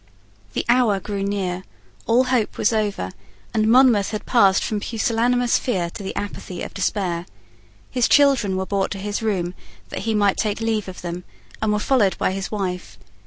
The hour drew near: all hope was over; and Monmouth had passed from pusillanimous fear to the apathy of despair. His children were brought to his room that he might take leave of them, and were followed by his wife.